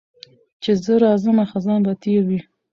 چي زه راځمه خزان به تېر وي